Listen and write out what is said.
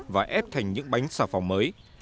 và ép thành những bánh sà phòng mới